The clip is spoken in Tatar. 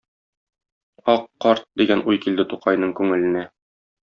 Ак карт, дигән уй килде Тукайның күңеленә.